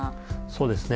そうですね。